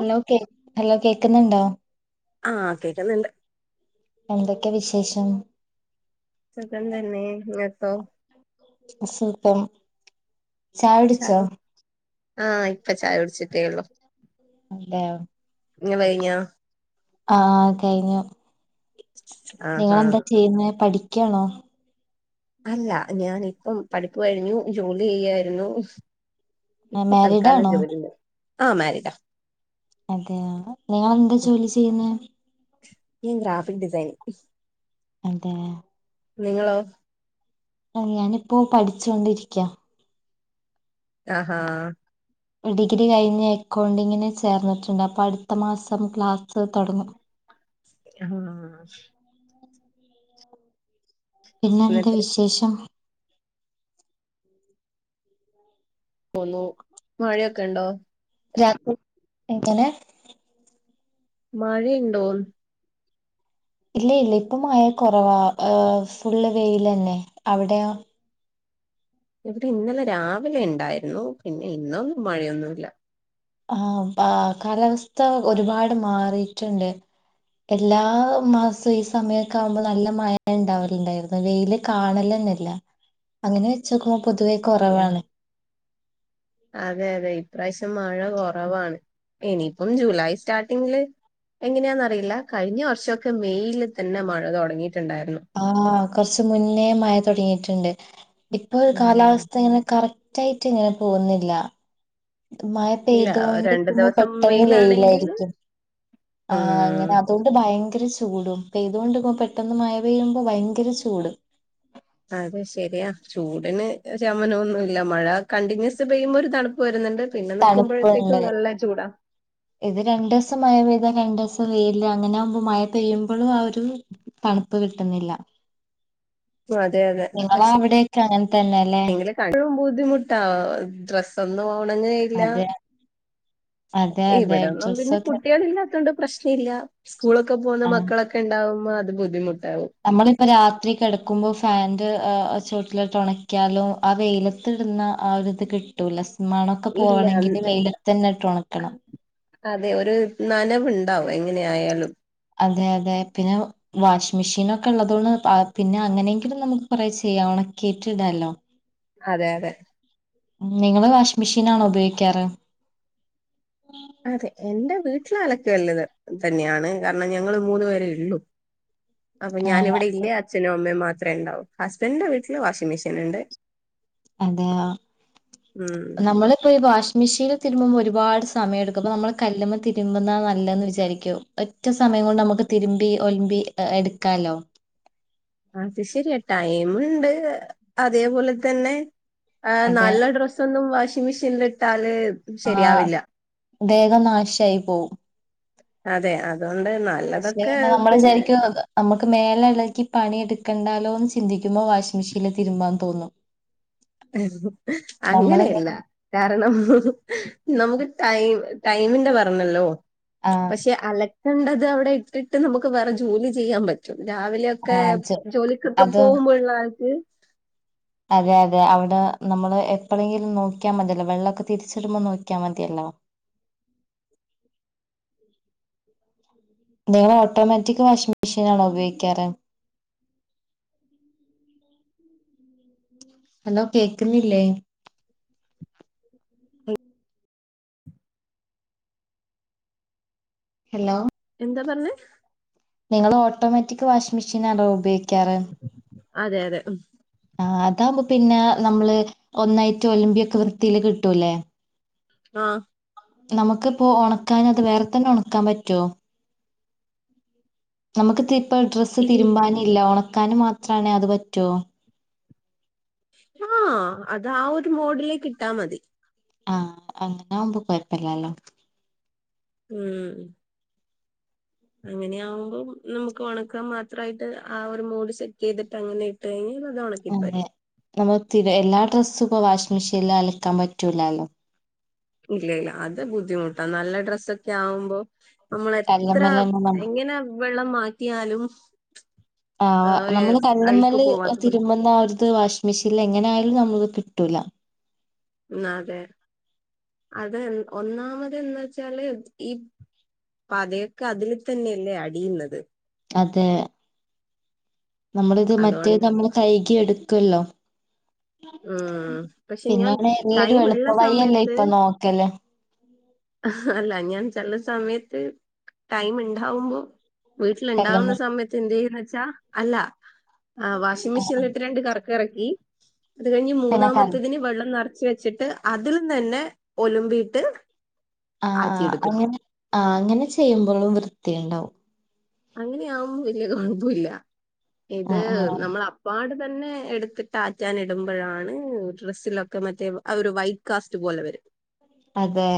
Hello കേ കേക്കുന്നുണ്ടോ ആഹ് കേക്കുന്നുണ്ട് എന്തൊക്കെ വിശേഷം സുഖം തന്നെ ഇങ്ങക്കോ? സുഖം. ചായുടിച്ചോ ചായ ആഹ് ഇപ്പോ ചായ കുടിച്ചിട്ടേ ഉള്ളു. അതെയോ ഇങ്ങള് കഴിഞ്ഞോ ആഹ് കഴിഞ്ഞു. ആഹാ നിങ്ങെളെന്താ ചെയ്യുന്നെ പഠിക്കണോ. അല്ല ഞാന് ഇപ്പം പഠിപ്പു കഴിഞ്ഞു ജോലി ചെയ്യായിരുന്നു. ഇപ്പൊ തൽക്കാലം മാരീഡാണോ ജോലിണ്ട് ആഹ് മാരിഡ. അതെയോ നിങ്ങളെന്താ ജോലി ചെയ്യുന്നെ. ഞാൻ ഗ്രാഫിക് ഡിസൈനിംഗ്. അതെ. നിങ്ങളോ? ആഹ് ഞാനിപ്പോ പഠിച്ചാണ്ടിരിക്കാ. ആഹാ ഡിഗ്രി കഴിഞ്ഞ് അക്കൗണ്ടിങ്ന് ചേർന്നിട്ടുണ്ട് അപ്പോ അടുത്ത മാസം ക്ലാസ്സ് തുടങ്ങും. ആഹ്. പിന്നെന്താ എന്നിട്ട് വിശേഷം. ഉ മഴയൊക്കെ ഇണ്ടോ? രാത്രി എങ്ങനെ. മഴയുണ്ടോന്ന്. ഇല്ല ഇല്ല ഇപ്പോ മയ കുറവ ഏഹ് ഫുള് വെലല്ലേ അവിടയൊ ഇവിടെ ഇന്നലെ രാവിലെ ഇണ്ടായിരുന്നു പിന്നെ ഇന്നൊന്നും മഴയൊന്നുല്ല. ആഹ് കാലാവസ്ഥ ഒരുപാട് മാറിയിട്ടുണ്ട്. എല്ലാ മാസവും ഈ സമയമൊക്കെ ആകുമ്പോ നല്ല മഴ ഉണ്ടാവലുണ്ടായിരുന്നു വെയില് കാണലെന്നെല്ല അങ്ങനെ വെച്ചോക്കുമ്പോ പൊതുവേ കുറവാണ്. അതെ അതെ ഇപ്രാവശ്യം മഴ കുറവാണ് ഇനിയിപ്പം ജൂലൈ സ്റ്റാർട്ടിങ്ങില്. എങ്ങനെയാന്നറിയില്ല കഴിഞ്ഞ വർശോക്കെ മെയില് തന്നെ മഴ തൊടങ്ങിയിട്ടുണ്ടായിരുന്നു ആഹ് കൊറച്ച് മുന്നേ മഴ തൊടങ്ങിയിട്ട്ണ്ട് ഇപ്പൊ ഒരു ഉം കാലാവസ്ഥ ഇങ്ങനെ കറക് റ്റായിറ്റ് ഇങ്ങനെ പോകുന്നില്ല മഴ ഇല്ല രണ്ടു പെയ്തൊണ്ടിക്കിമ്പൊ ദിവസം പെട്ടെന്ന് വെയിലാണെങ്കിൽ വെയിലായിരിക്കും ആഹ് അങ്ങന ഉം അതുകൊണ്ട് ഭയങ്കര ചൂടും പ്പെയ്തോണ്ടിക്കുമ്പോ പെട്ടെന്ന് മഴ പെയ്യുമ്പോ ഭയങ്കര ചൂട് അത് ശെരിയാ ചൂടിന് ശമനൊന്നുല്ല മഴ കണ്ടിന്യൂസ് പെയ്യുമ്പോ ഒരു തണ് പ്പ് വരുന്നുണ്ട് പിന്നെ നി തണുപ്പുണ്ട് ക്കുമ്പോഴത്തേക്കും നല്ല ചൂടാ ഇത് രണ്ട് ദിവസം മഴ പെയ്ത രണ്ട് ദിവസം വെയില് അങ്ങനെ ആകുമ്പോ മഴ പെയ്യുമ്പളും ആ ഒരു തണുപ്പ് കിട്ടുന്നില്ല അതെ അതെ നിങ്ങള പക്ഷെ അവിടെക്കെ അങ്ങനെ തന്നെല്ലേ [unintelligible] ബുദ്ധിമുട്ടാ ഡ്രസ്സന്നും ഒണങ്ങേയില്ല അതെ അതെ അതെ ഇവിടൊന്നും പിന്നെ ഡ്രസ്സൊക്കെ കുട്ടികളില്ലാത്തോണ്ട് പ്രശ്നില്ല സ്കൂളൊക്കെ പോകുന്ന ആ മക്കളൊക്കെ ഇണ്ടാവുമ്പോ അത് ബുദ്ധിമുട്ടാവും നമ്മളിപ്പ രാത്രി കെടക്കുമ്പോ ഫാന്റെ ചോട്ടിലിട്ട് ഉണക്യാലും ആ വെയിലത്തിടുന്ന ആ ഒരിത് കി ട്ടുല സ്മണൊക്കെ ഇല്ല പോകണെങ്കില് വെയിലത്തെന്നെട്ട് ഒണക്കണം അതെ ഒരു നനവ്ണ്ടാവും എങ്ങനെ ആയാലും അതെ അതെ [unintelligible] വാഷിംഗ് മെഷീനൊക്കെ ഉള്ളതുകൊണ്ട് ആ പിന്നെ അങ്ങനെങ്കിലും നമുക്ക് കുറെ ചെയ്യാ ഒണക്കീട്ടിടാല്ലോ അതെ അതെ നിങ്ങള് വാഷിംഗ് മെഷീനാണോ ഉപയോഗിക്കാറ്? അതെ എന്റെ വീട്ടില് അലക്ക് കല്ല് തന്നെയാണ് കാരണം ഞങ്ങള് മൂന്ന് പേരേ ഉള്ളൂ അപ്പൊ ആ ഞാനിവിടെ ഇല്ലേ അത് അച്ഛനും അമ്മയും മാത്രേ ഇണ്ടാവു ഹസ്ബൻഡിന്റെ വീട്ടില് വാഷിംഗ് മെഷീൻ ഇണ്ട് അതെയോ ഉം നമ്മളിപ്പോ ഈ വാഷിംഗ് മെഷീല് തിരുമ്പ്പോ ഒരുപാട് സമയം എടുക്കും അപ്പ നമ്മള് കല്ലുമ്മതിരുമ്പുന്ന നല്ലത് വിചാരിക്കും ഒറ്റ സമയം കൊണ്ട് നമുക്ക് തിരുമ്പി ഒലുമ്പി എടുക്കാലോ അത് ശരിയാ ടൈമിണ്ട് അതേപോലെ തന്നെ ആ അതെ നല്ല ഡ്രസ് സ്സൊന്നും വാഷിംഗ് മെഷീൻല് ഇട്ടാല് ആ ശരിയാവില്ല വേഗം നാശായി പോവും അതെ അതോണ്ട് ന്നാ പക്ഷെപിന്നെ നമ്മള് വിചാരിക്കും അത് നമ്മുക്ക് മേലെളക്കി പണിഎടുക്കണ്ടാലോ ന്ന് ചിന്തിക്കുമ്പോ വാഷിംഗ് മെഷീല് തിരുമ്പാതോന്നും ഹ് നമ്മള് ഹുംഅങ്ങനെയെല്ല കാരണം ഹ്‌ഹ്‌നമുക്ക് ടൈം ടൈമിന്റെ പറഞ്ഞല്ലോ ആഹ് പക്ഷെ അലക്കുന്നത് അവിടെ ഇട്ടിട്ട് നമുക്ക് വേറെ ജോലി ചെയ്യാൻ പറ്റ് റ്റും രാവിലെയൊക്കെ ആ ചെ- ജോലിക്കൊക്കെ അത് പോകുമ്പോ ഉള്ള ആൾക്ക് അതെ അതെ അവിടെ നമ്മള് എപ്പളേങ്കിലും നോക്കിയാ മതിയല്ലോ വെള്ളോക്കെ തിരിച്ചിടുമ്പോ നോക്കിയാ മതിയല്ലോ നിങ്ങള് ഓട്ടോമാറ്റിക് വാഷിംഗ് മെഷീനാണോ ഉപയോഗിക്കാറ് ഹലോ കേക്ക്ന്നില്ലേ? ഹലോ എന്താ പറഞ്ഞെ? നിങ്ങള് ഓട്ടോമാറ്റിക് വാഷിംഗ് മെഷീനാണോ ഉപയോഗിക്കാറ് അതെ അതെ ആ അതാകുമ്പോ പിന്നെ നമ്മള് ഒന്നായിറ്റ് ഒലമ്പിയൊക്കെ വൃത്തില് കിട്ടൂലെ ആഹ് നമുക്കിപ്പോ ഉണക്കാൻ അത് വേറെ തന്നെ ഉണക്കാൻ പറ്റോ? നമുക്ക് ഇപ്പൊ ഡ്രസ്സ് ഇനി തിരുമ്പാനി ല്ല ഉണക്കാനും മാത്രണേ അത് പറ്റ്വോ? ആഹ് അത് ആ ഒരു മോഡിലേ ക്കിട്ടാ മതി. ആഹ് അങ്ങന ആവുമ്പോ കൊഴപ്പല്ലല്ലോ. ഉം അങ്ങനെ ആകുമ്പോം നമുക്ക് ഉണക്കാൻ മാത്രായിട്ട് ആ ഒരു മോഡ് സെറ്റ് ചെയ്തിട്ട് അങ്ങനെ ഇട്ട് കഴിഞ്ഞാൽ അത് അങ്ങനെ ഉണക്കിത്തരും നമ്മളിട്ടീന എല്ലാ ഡ്രസ്സും ഇപ്പ വാഷിംഗ് മെഷീനില് അലക്കാൻ പറ്റൂലല്ലോ ഇല്ലല്ല അത് ബുദ്ധിമുട്ടാ നല്ല ഡ്രസ്സൊക്കെ ആവുമ്പോ നമ്മളെത്ര കല്ലുമ്മല് തന്നെ നമ്മ- എങ്ങനെ വെള്ളം മാറ്റിയാലും ആ ഒരു നമ്മള് അഴുക്ക് കല്ല്മ്മല് പോവാത്ത പോലെ. തിരുമ്പ്ന്ന ആ ഒര് ത് വാഷിങ് മെഷീനിൽ എങ്ങനൊയാലും നമ്മക്ക് കിട്ടൂല്ല ഉം അതെ അത് ഒന്നാമത് എന്ത വെച്ചാല് ഈ പതയൊക്കെ അതിൽ തന്നെയല്ലേ അടിയുന്നത് അതെ നമ്മളിത് മറ്റേത് അതുകൊണ്ട് നമ്മൾ കൈകി എടുക്കുല്ലോ ഉം പക്ഷെ ഞാൻ പിന്നാണ് എല്ലരു ടൈം എളുപ്പ ഉള്ള വഴിയല്ലേ സമയത്ത് ഇപ്പൊ നോക്കല്. അല്ല ഞാൻ ചെല സമയത്ത് ടൈം ഉണ്ടാവുമ്പോ വീട്ടിലുണ്ടാവുന്ന കല്ലുമ്മെ സമയത്ത് എന്ത് ചെയ്യന്ന് വെച്ചാ അല്ല വാഷിംഗ് മെഷീനിലിട്ട് രണ്ട് കറക് കറക്കി അത് കഴിഞ്ഞ് പിന്നെ കല്ല് മൂന്നാമത്തതിന് വെള്ളം നെറച്ച് വെച്ചിട്ട് അതിൽ തന്നെ ഒലുമ്പീട്ട് ആഹ് ആഹ് അങ്ങനെ ആഹ് അങ്ങനെ ചെയ്യുമ്പോഴും വൃത്തി ഇണ്ടാവും. അങ്ങനെയാകുമ്പോ വലിയ കൊഴപ്പമില്ല ഇത് ആഹ് ആഹ് നമ്മൾ അ അപ്പാട് തന്നെ എടുത്തിട്ട് ആറ്റാൻ ഇടുമ്പോഴാണ് ഡ്രസ്സിലൊക്കെ മറ്റേ ആ ഒരു വൈ കാസ്റ്റ് പോലെ വരും അതെ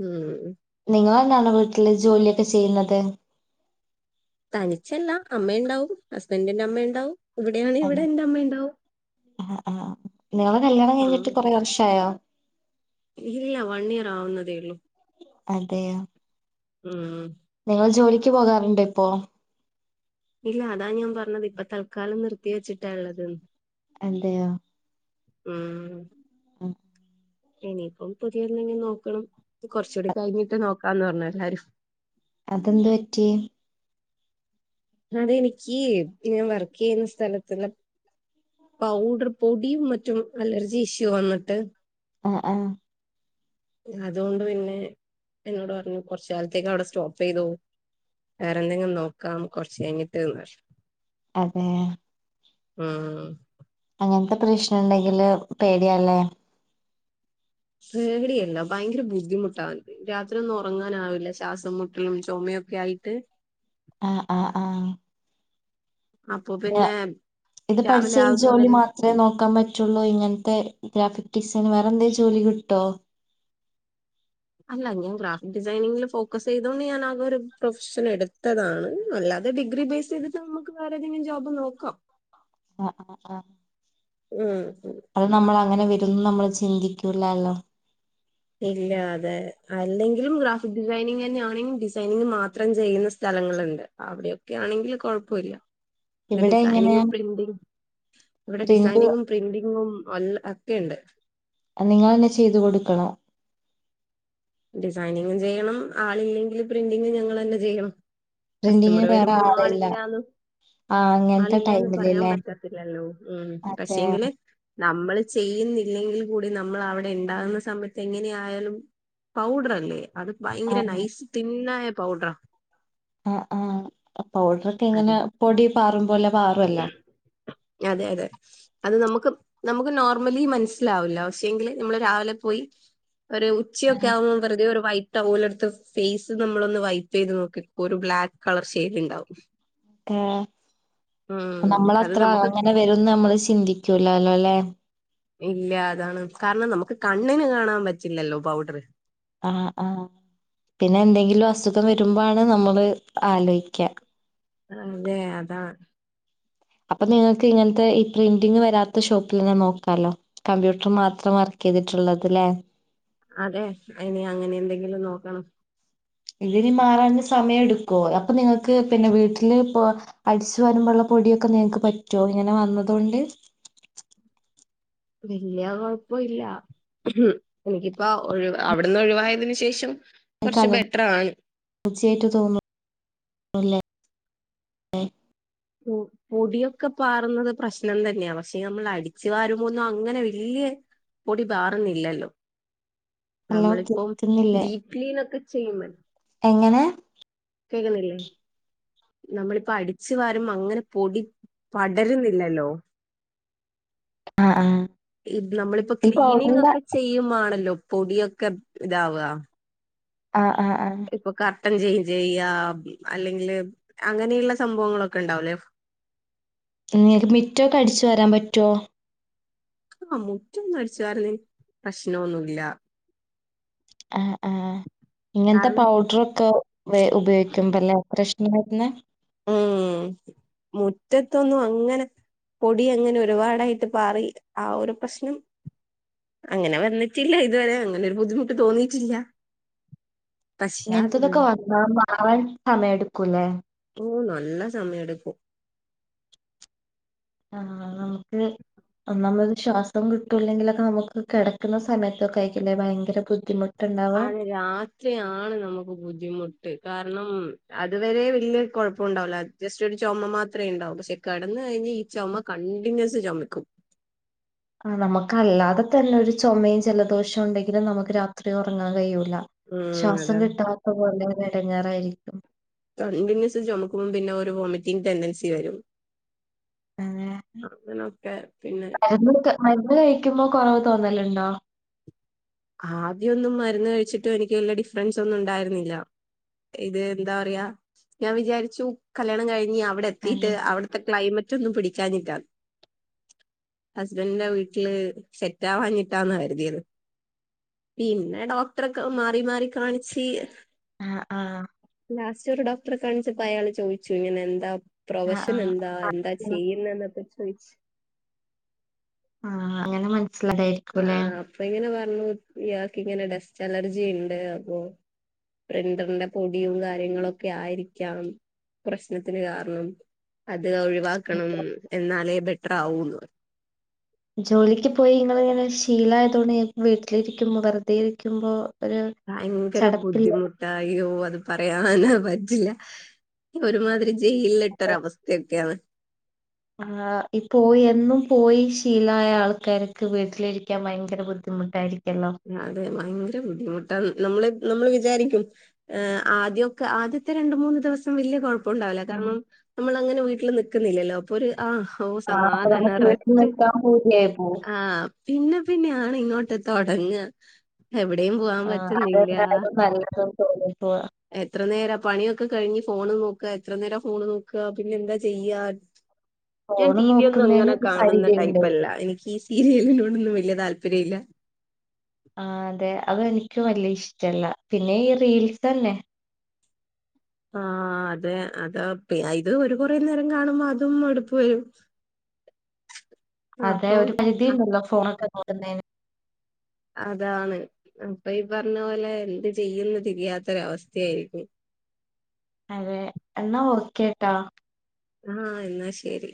ഉം നിങ്ങൾ തന്നാണോ വീട്ടില് ജോലിയൊക്കെ ചെയ്യുന്നത് തനിച്ചല്ല അമ്മയുണ്ടാവും ഹസ്ബന്റിന്റെ അമ്മ ഇണ്ടാവും. ആഹ് ആഹ് ആഹ് നിങ്ങളെ കല്യാണം ഉം. കഴിഞ്ഞിട്ട് കൊറെ വർഷായോ ഇല്ല വൺ ഇയർ ആവുന്നതേ ഉള്ളൂ. അതെയ ഉം നിങ്ങൾ ജോലിക്ക് പോകാറുണ്ടോ ഇപ്പോ? ഇല്ല അതാ ഞാൻ പറഞ്ഞത് ഇപ്പ തൽക്കാലം നിർത്തി വെച്ചിട്ടാ ഉള്ളത്. എന്തയ? ഉം ഉം ഇനിയിപ്പം പുതിയെന്തെങ്കി നോക്കണം കൊറച്ചൂടി കഴിഞ്ഞിട്ട് നോക്കാന്ന് പറഞ്ഞു എല്ലാരും. അതെന്ത് പറ്റി? അതെ എനിക്ക് ഞാൻ വർക്ക് ചെയ്യുന്ന സ്ഥലത്തുള്ള പൗഡർ പൊടിയും മറ്റും അലർജി ഇഷ്യൂ വന്നിട്ട് ആഹ് ആഹ് അതുകൊണ്ട് പിന്നെ എന്നോട് പറഞ്ഞു കൊറച്ച് കാലത്തേക്ക് അവിടെ സ്റ്റോപ്പ് ചെയ്തോ വേറെ എന്തെങ്കിലും നോക്കാം കൊറച്ച് കഴിഞ്ഞിട്ട്ന്ന് അതെ ഉം അങ്ങനത്തെ പ്രശ്നം ഇണ്ടെങ്കിൽ പേടിയാല്ലേ പേടിയല്ല ഭയങ്കര ബുദ്ധിമുട്ടാവ്ണ്ട് രാത്രി ഒന്ന് ഒറങ്ങാനാവില്ല ശ്വാസം മുട്ടലും ചൊമയൊക്കെ ആയിട്ട്. ആഹ് ആഹ് ആഹ് അപ്പൊ പിന്നെ ഇത് പഠിച്ച രാവിലെ ഈ ജോലി ആവുന്നവരെ മാ ത്രേ നോക്കാൻ പറ്റുള്ളൂ ഇങ്ങനത്തെ ഗ്രാഫിക് ഡിസൈന് വേറെ എന്തേ ജോലി കിട്ടോ അല്ല ഞാൻ ഗ്രാഫിക് ഡിസൈനിങ്ങിൽ ഫോക്കസ് ചെയ്തോണ്ട് ഞാൻ ആക ഒരു പ്രൊഫഷൻ എടുത്തതാണ് അല്ലാ ത് ഡിഗ്രി ബേസ് ചെയ്തിട്ട് മ്മക്ക് വേറെ ഏതെങ്കിലും ജോബ് നോക്കാം ആഹ് ആഹ് ആഹ് ഉം അത് നമ്മൾ അങ്ങനെ വരും ന്ന് നമ്മൾ ചിന്തിക്കൂലല്ലോ ഇല്ല അതെ അല്ലെങ്കിലും ഗ്രാഫിക് ഡിസൈനിങനാണയ് ഡിസൈനിങ് മാത്രം ചെയ്യുന്ന സ്ഥലങ്ങളുണ്ട് അവിടെയൊക്കെ ആണെങ്കിൽ കൊഴപ്പൊല്ല ഇവിടെ ഇങ്ങനെ ഡിസൈനിങ്ങും പ്രിന്റി അവരുടെ പ്രിന്റ് ഡിസൈനിങ്ങും പ്രിന്റിങ്ങും ഒൽ ഒക്കെയുണ്ട് നിങ്ങന്നെ ചെയ്തു കൊടുക്കണൊ ഡിസൈനിങ്ങും ചെയ്യണം ആളില്ലെങ്കിൽ പ്രിന്റിംഗും ഞങ്ങളെന്നെ ചെയ്യണം കസ്റ്റമർ പ്രിന്റിങ്ങിന് വേറെ വരുമ്പോ ആളില്ല ആളില്ലാന്ന് ആ അങ്ങനത്തെ ആളില്ലാന്ന് പറയാൻ ടൈമിലല്ലേ പറ്റത്തില്ലല്ലോ ഉം അതെ പക്ഷെങ്കില് നമ്മൾ ചെയ്യുന്നില്ലെങ്കിൽ കൂടി നമ്മൾ അവിടെ ഇണ്ടാകുന്ന സമയത്ത് എങ്ങനെ ആയാലും പൗഡർ അല്ലേ അത് ആ ഭയങ്കര നൈസ് തിന്നായ പൗഡറാ ആ ആഹ് പൗഡറൊക്കെ ഇങ്ങനെ അതെ പൊടി പാറും പോലെ പാറുവല്ലോ അതെ അതെ അത് നമുക്ക് നമുക്ക് നോർമലി മനസ്സിലാവില്ല പക്ഷേ എങ്കില് നമ്മള് രാവിലെ പോയി ഒരു ഉച്ചയൊക്കെ ആവുമ്പോ വെറുതെ വൈ ടൗവെലെടുത്ത് ഫേസ് നമ്മളൊന്ന് വൈപ്പ് ചെയ്ത് നോക്ക് ഒരു ബ്ലാക്ക് കളർ ഷെയ്ഡ് ഇണ്ടാവും ഏഹ് ഉം നമ്മൾ അത് അത്ര നമുക്ക് അങ്ങനെ വരുംന്ന് നമ്മള് ചിന്തിക്കൂലല്ലോലെ ഇല്ല അതാണ് കാരണം നമുക്ക് കണ്ണിന് കാണാൻ പറ്റില്ലല്ലോ പൗഡറ് ആഹ് ആഹ് പിന്നെ എന്തെങ്കിലും അസുഖം വരുമ്പാണ് നമ്മള് ആലോയ്ക്കാ അതെ അതാ അപ്പൊ നിങ്ങക്ക് ഇങ്ങനത്തെ ഈ പ്രിന്റിങ് വരാത്ത ഷോപ്പിൽന്നെ നോക്കാലോ കമ്പ്യൂട്ടർ മാത്രം വർക്കെയ്തിട്ടുള്ളത് ലെ അതെ ഇനി അങ്ങനെ എന്തെങ്കിലും നോക്കണം. ഇതിനി മാറാൻ സമയം എടുക്കുവൊ അപ്പൊ നിങ്ങക്ക് പിന്നെ വീട്ടില് പ്പൊ അടിച്ചു വരുമ്പള്ള പൊടിയൊക്കെ നിങ്ങക്ക് പറ്റൊ ഇങ്ങനെ വന്നതുകൊണ്ട് വല്യ കൊഴപ്പൊ ഇല്ല എനിക്കിപ്പൊ ഒഴി അവിടുന്ന് ഒഴിവായതിനന് ശേഷം കൊറച്ച് ബെട്ട്റാണ്. തീർച്ചയായിട്ട് തോന്നു അല്ലേ ഉം പൊടിയൊക്കെ പാറുന്നത് പ്രശ്നം തന്നെയാ പക്ഷേ നമ്മൾ അടിച്ചു വരുമ്പോന്നും അങ്ങനെ വെല്ല്യെ പൊടി പാറുന്നില്ലല്ലോ ഹലോ നമ്മളിപ്പം കേൾക്കുന്നില്ലേ വീ ക്ലീനൊക്കെ ചെയ്യുമ്പയെ എങ്ങനെ കേക്ക്ന്നില്ലേ നമ്മളിപ്പോ അടിച്ചു വാരുമ്പൊ അങ്ങനെ പൊടി പടരുന്നില്ലല്ലോ ആഹ് ആഹ് നമ്മളിപ്പോ ഈ ക്ലീനിങ് പൗഡറിന്റെ ഒക്കെ ചെയ്യുംമാണല്ലോ പൊടിയൊക്കെ ഇതാവ ആ ആ ആഹ് ഇപ്പൊ കർട്ടൻ ചെയ്ഞ്ചെയ്യ അല്ലെങ്കില് അങ്ങനെയുള്ള സംഭവങ്ങളൊക്കെ ഇണ്ടാവുലെ ഇങ്ങക്ക് മിറ്റോക്കെ അടിച്ചുവാരാൻ പറ്റുവോ ആ മുറ്റൊന്നും അടിച്ചുവാരൽ പ്രശ്നൊന്നുല്ല ഏഹ് ഏഹ് ഇങ്ങൻത്തെ കാരണം പൗഡറൊക്കെ ഉപയോഗിക്കുമ്പലെ പ്രശ്നം പറ്റുന്നെ ഉം മുറ്റത്തൊന്നും അങ്ങനെ പൊടി അങ്ങനെ ഒരുപാടായിട്ട് പാറി ആ ഒരു പ്രശ്നം അങ്ങനെ വന്നിട്ടില്ല ഇതുവരെ അങ്ങനെ ഒരു ബുദ്ധിമുട്ട് തോന്നിറ്റില്ല. ഇങ്ങനത്തതൊക്കെ വന്നാ മാറാൻ സമയം എടുക്കൂലേ ഓഹ് നല്ല സമയെടുക്കും ആഹ് നമുക്ക് ഒന്നാമത് ശ്വാസം കിട്ടൂലെങ്കിലൊക്കെ നമുക്ക് കിടക്ക്ണ സമയത്തൊക്കെ ആയിരിക്കില്ലേ ഭയങ്കര ബുദ്ധിമു [unintelligible] അത്രയാണ് നമുക്ക് ബുദ്ധിമുട്ട് കാരണം അതുവരെ വല്യ കുഴപ്പം ഉണ്ടാവൂല ജസ്റ്റ് ഒരു ചുമ മാത്രമേ ഉണ്ടാവൂ പക്ഷെ കിടന്ന കഴിഞ് ഈ ചുമ കണ്ടിന്യൂസ് ചുമക്കും ആഹ് നമുക്കല്ലാതെ തന്നെ ഒരു ചുമയും ജലദോഷവും ഉണ്ടെങ്കില് നമുക്ക് രാത്രി ഉറങ്ങാ കഴിയൂല ഉം ശ്വാസം അതാ കിട്ടാത്ത പോലെങ്ങനെ ഇടങ്ങാറായിരിക്കും കണ്ടിന്യൂസ് ചുമക്കുമ്പോ പിന്നെ ഒരു വോമിറ്റിംങ് ടെൻഡൻസി വരും അങ്ങനൊക്കെ പിന്നെ [unintelligible] ക്ക മരുന്ന് കഴിക്കുമ്പോ കൊറവ് തോന്നലുണ്ടോ ആദ്യൊന്നും മരുന്ന് കഴിച്ചിട്ടു എനിക്ക് വല്ല ഡിഫറൻസ് ഒന്നും ഉണ്ടായിരുന്നില്ല ഇത് എന്താ പറയാ ഞാൻ വിചാരിച്ചു കല്യാണം കഴിഞ്ഞ് അവിടെ അതെ എത്തിട്ട് അവിടെ ക്ലൈമറ്റൊന്നും പിടിക്കാനിട്ടാ ഹസ്ബന്റിന്റെ വീട്ടില് സെറ്റവാഞ്ഞിട്ടാന്ന കരുതിയത് പിന്നെ ഡോക്ടർ ഒക്കെ മാറി മാറി കാണിച് ആഹ് ആഹ് ലാസ്റ്റ് ഒരു ഡോക്ടറെ കാണിച്ചപ്പോ അയാൾ ചോദിച്ചു ഇങ്ങനെ എന്താ ആഹ് പ്രൊഫഷൻ ആഹ് എന്താ എന്താ ചെയ്യുന്ന എന്നൊക്കെ ചോയിച്ചു ആഹ് അങ്ങനെ മനസ്സിലായി ആഹ് അപ്പൊ ഇങ്ങനെ പറഞ്ഞു ഇയാൾക്ക് ഇങ്ങനെ ഡെസ്റ്റ് അലർജി ഇണ്ട് അപ്പൊ ബ്രണ്ടറിന്റെ പൊടിയും കാര്യങ്ങളൊക്കെ ആയിരിക്കാം പ്രശ്നത്തിന് കാരണം അത് ഒഴിവാക്കണം എന്നാലേ ബെറ്ററാവുള്ളു ജോലിക്ക് പോയി നിങ്ങളിങ്ങനെ ശീലായതോണ്ട് വീട്ടിലിരിക്കുബോ വെറുതെ ഇരിക്കുമ്പോ ഒരു ചടപ്പില്ല അയോ അത് പറയാന പറ്റില്ല ഒരുമാതിരി ജയിലില്ട്ടരു അവസ്ഥയൊക്കെയാണ് ആഹ് ഇപ്പോയി എന്നും പോയി ശീലായ ആൾക്കാര്ക്ക് വീട്ടിലിരിക്കാൻ ഭയങ്കര ബു ദ്ധി മുട്ടായിരിക്കലോ അതെ ഭയങ്കര ബുദ്ധിമുട്ടാ നമ്മള് നമ്മള് വിചാരിക്കും എഹ് ആദ്യക്കെ ആദ്യത്തെ രണ്ട മൂന്ന് ദിവസം വല്യ കുഴ ഉണ്ടാവില്ല ഉം കാരണം നമ്മളങ്ങനെ വീട്ടിൽ നിക്കുന്നില്ലല്ലോ അപ്പൊ ഒരു ആഹ് ഓഹ് ആഹ് അപ്പൊ സമാധാന നമുക്ക് വീട്ടിൽ റസ്റ്റ്‌ നിക്കാൻ പൂതിയായി പോവും ആഹ് പിന്നെ പിന്നെയ ആണ് ഇങ്ങോട്ട് തുടങ്ങ എവിടെയും പോവാൻ പറ്റുന്നില്ല [unintelligible] പോവാ എത്ര നേര പണിയൊക്കെ കഴിഞ്ഞ് ഫോണ് നോക്ക എത്ര നേരം ഫോണ് നോക്ക പിന്നെ എന്താ ചെയ്യാ [inaudible] ഞാൻ ഫോണ് ടി വി ഒന്നും നോക്കുന്നതിന് അങ്ങനെ ഒരു കാണുന്ന പരിധിയുണ്ട് ടൈപ്പല്ല എനിക്ക് ഈ സീരിയലിനോടൊന്നും വലിയ താല്പര്യ ഇല്ല ആഹ് അതെ അതെനിക്കു വല്യ ഇഷ്ടല്ല പിന്നെ ഈ റീൽസന്നെ ആഹ് അതെ അതാ ഇത് ഒരു കുരെ നേരം കാണുമ്പോ അതും മടുപ്പ് വരും അതെ അപ്പം ഒരു അ- പരിധിണ്ടല്ലോ ഫോണൊക്കെ നോക്കുന്നെന് അതാണ് അപ്പൊ ഈ പറഞ്ഞ പോലെ എന്ത് ചെയ്യന്ന് തിരിയാത്തൊരവസ്ഥയായിരിക്കും അതെ എന്നാ ഓക്കേട്ടാ ആഹ് എന്നാ ശരി